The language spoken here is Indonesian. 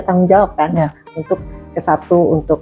tanggung jawab kan untuk